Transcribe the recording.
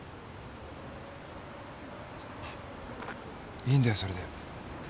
いいんだよそれで。